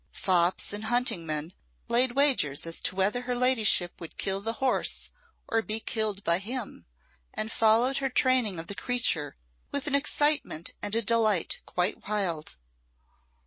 Fops and hunting men laid wagers as to whether her ladyship would kill the horse or be killed by him, and followed her training of the creature with an excitement and delight quite wild.